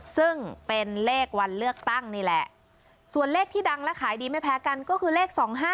ซึ่งเป็นเลขวันเลือกตั้งนี่แหละส่วนเลขที่ดังและขายดีไม่แพ้กันก็คือเลข๒๕๖